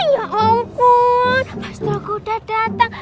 ya ampun mas jalgo udah datang